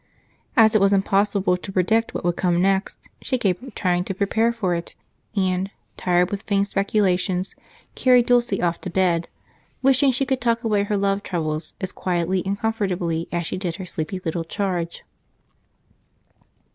As it was impossible to predict what would come next, she gave up trying to prepare for it and, tired with vain speculations, carried Dulce off to bed, wishing she could tuck away her love troubles as quietly and comfortably as she did her sleepy little charge.